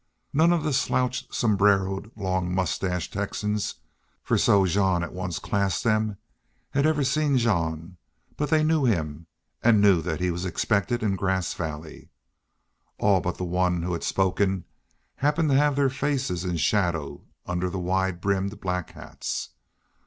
None of the slouch sombreroed, long mustached Texans for so Jean at once classed them had ever seen Jean, but they knew him and knew that he was expected in Grass Valley. All but the one who had spoken happened to have their faces in shadow under the wide brimmed black hats.